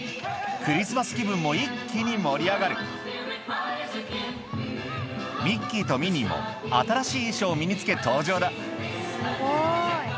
クリスマス気分も一気に盛り上がるミッキーとミニーも新しい衣装を身に着け登場だ